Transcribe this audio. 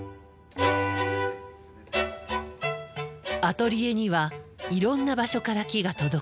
アトリエにはいろんな場所から木が届く。